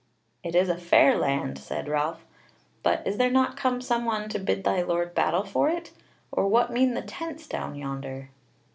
"It is a fair land," said Ralph; "but is there not come some one to bid thy Lord battle for it? or what mean the tents down yonder?"